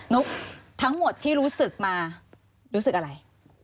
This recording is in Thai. ุ๊กทั้งหมดที่รู้สึกมารู้สึกอะไร